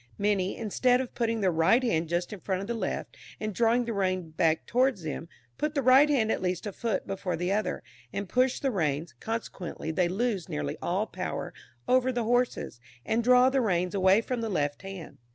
Many, instead of putting their right hand just in front of the left, and drawing the reins back towards them, put the right hand at least a foot before the other, and push the reins, consequently they lose nearly all power over the horses, and draw the reins away from the left hand.